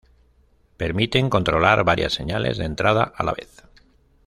Permiten controlar varias señales de entrada a la vez.